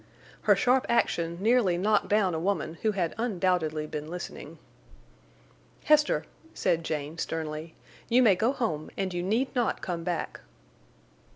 Her sharp action nearly knocked down a woman who had undoubtedly been listening. "Hester," said Jane, sternly, "you may go home, and you need not come back."